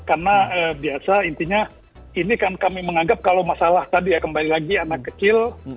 karena biasa intinya ini kan kami menganggap kalau masalah tadi ya kembali lagi anak kecil